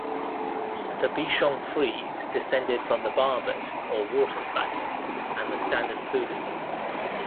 The Bichon Frise descended from the Barbet or Water Spaniel and the Standard Poodle.